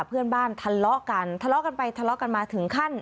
เพื่อนบ้านทะเลาะกันทะเลาะกันไปทะเลาะกันมาถึงขั้น